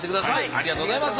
ありがとうございます。